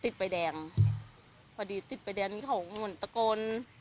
ติดไฟแดงพอดีติดไฟแดงนี้เขาเหมือนตะโกน